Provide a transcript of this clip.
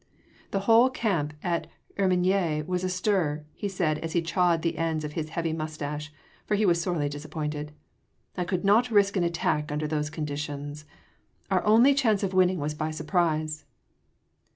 "The whole camp at Hermigny was astir," he said as he chawed the ends of his heavy moustache, for he was sorely disappointed. "I could not risk an attack under those conditions. Our only chance of winning was by surprise."